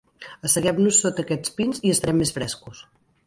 Asseguem-nos sota aquests pins i estarem més frescos.